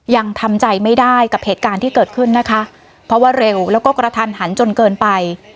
ยังทำใจไม่ได้กับเหตุการณ์ที่เกิดขึ้นนะคะเพราะว่าเร็วแล้วก็กระทันหันจนเกินไป